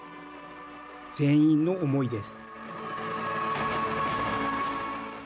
全員の思いです。